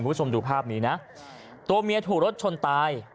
คุณผู้ชมดูภาพนี้นะตัวเมียถูกรถชนตาย